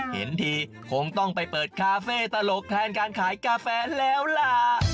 เห็นทีคงต้องไปเปิดคาเฟ่ตลกแทนการขายกาแฟแล้วล่ะ